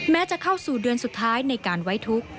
จะเข้าสู่เดือนสุดท้ายในการไว้ทุกข์